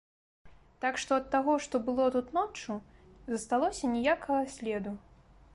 Так што ад таго, што было тут ноччу, засталося ніякага следу.